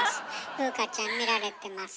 風花ちゃん見られてます。